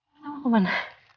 kau mau kemana